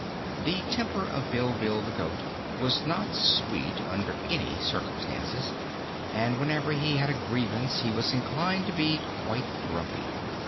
The temper of Bilbil the goat was not sweet under any circumstances, and whenever he had a grievance he was inclined to be quite grumpy.